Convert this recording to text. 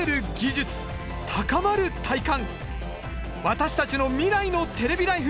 私たちの未来のテレビライフ